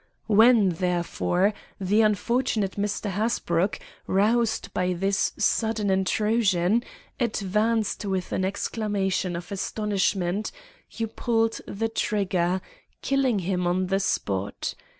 When, therefore, the unfortunate Mr. Hasbrouck, roused by this sudden intrusion, advanced with an exclamation of astonishment, you pulled the trigger, killing him on the spot.